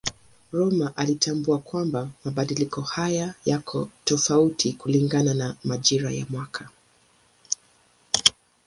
Rømer alitambua kwamba mabadiliko haya yako tofauti kulingana na majira ya mwaka.